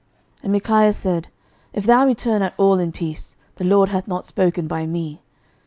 11:022:028 And Micaiah said, If thou return at all in peace, the LORD hath not spoken by me.